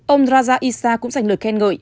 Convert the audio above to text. ông raja issa cũng dành lời khen ngợi